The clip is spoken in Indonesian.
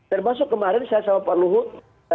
termasuk kemarin saya sama pak luhut